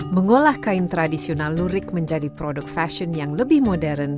mengolah kain tradisional lurik menjadi produk fashion yang lebih modern